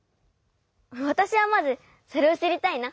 わたしはまずそれをしりたいな。